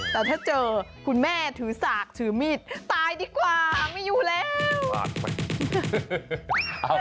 แต่ถ้าเจอคุณแม่ถือสากถือมีดตายดีกว่าไม่อยู่แล้ว